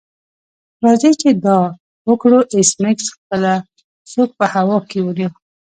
راځئ چې دا وکړو ایس میکس خپله سوک په هوا کې ونیو